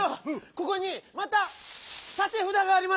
ここにまたたてふだがあります。